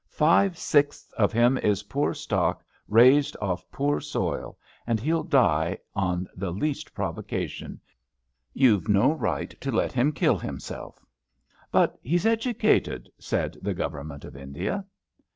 Five sixths of him is poor stock raised off poor soil, and he'll die on the least provocation. YouVe no right to let him kill himself. ''But he's educated,'' said the Government of India.